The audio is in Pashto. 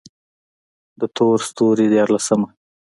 د تور ستوري ديارلسمه: